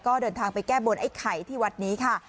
ก็เดินทางไปแก้บนไอ้ไข่ที่วัดนี้ค่ะ